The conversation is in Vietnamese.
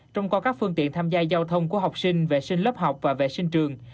trong coi các phương tiện tham gia giao thông của học sinh vệ sinh lớp học và vệ sinh trường